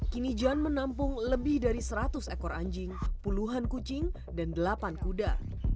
kini jan menampung lebih dari seratus ekor anjing puluhan kucing dan delapan kuda